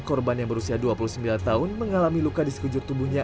korban yang berusia dua puluh sembilan tahun mengalami luka di sekujur tubuhnya